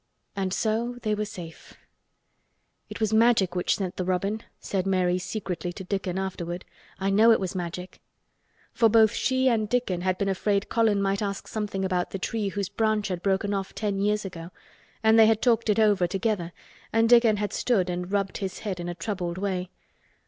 And so they were safe. "It was Magic which sent the robin," said Mary secretly to Dickon afterward. "I know it was Magic." For both she and Dickon had been afraid Colin might ask something about the tree whose branch had broken off ten years ago and they had talked it over together and Dickon had stood and rubbed his head in a troubled way.